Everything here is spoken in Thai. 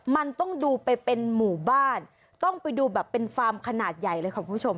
มันต้องดูไปเป็นหมู่บ้านต้องไปดูแบบเป็นฟาร์มขนาดใหญ่เลยค่ะคุณผู้ชม